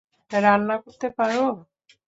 রান্না করতে পারো?